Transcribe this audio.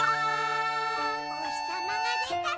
「おひさまがでたら」